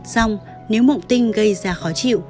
xong nếu mộng tinh gây ra khó chịu